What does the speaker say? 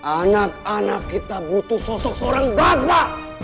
anak anak kita butuh sosok seorang daga